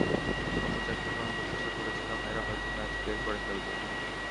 অথচ একটা সময় প্রত্যাশা করেছিলাম, এরা হয়তো ম্যাচ বের করে ফেলবে।